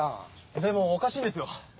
でもおかしいんですよ。